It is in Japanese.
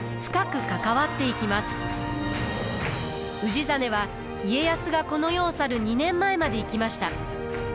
氏真は家康がこの世を去る２年前まで生きました。